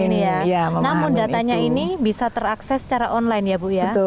namun datanya ini bisa terakses secara online ya bu ya